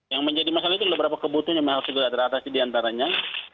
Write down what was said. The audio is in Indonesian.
yang menjadi masalah itu beberapa kebutuhan yang harus segera teratasi diantaranya